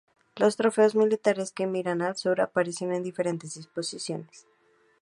Los trofeos militares que miran al sur, aparecen en diferentes disposiciones.